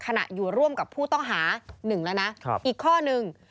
ขณะอยู่ร่วมกับผู้ต้องหา๑แล้วนะอีกข้อนึง